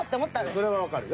それはわかるよ。